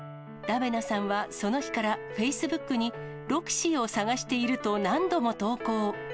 ラベナさんはその日からフェイスブックに、ロキシーを捜していると何度も投稿。